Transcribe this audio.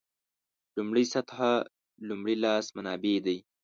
لومړۍ سطح لومړي لاس منابع دي.